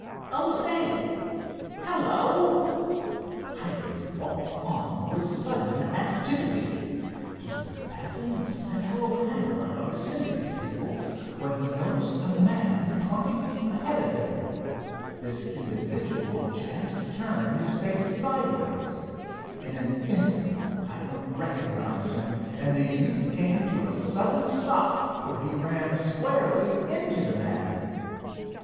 Oh, say, hello!" Hiram walked on with sudden activity. He was passing the central hangar of the Syndicate people, when he noticed a man twenty feet ahead of him. This individual chanced to turn his face sideways. In an instant Hiram recognized him, and the youth came to a sudden stop for he ran squarely into the man.